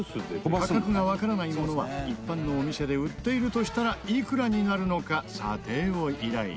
価格がわからないものは一般のお店で売っているとしたらいくらになるのか査定を依頼。